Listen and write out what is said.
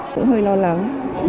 cũng hơi lo lắng